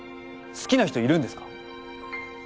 好きな人いるんですか？